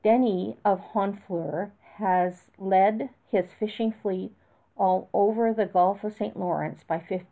Denys of Honfleur has led his fishing fleet all over the Gulf of St. Lawrence by 1506.